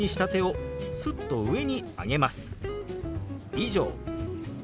「以上」。